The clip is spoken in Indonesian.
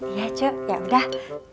iya cuk ya udah